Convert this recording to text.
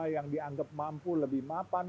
yang dianggap mampu lebih mapan